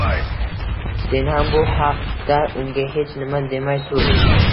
Sen ham bu hakda unga hech nima demay tur!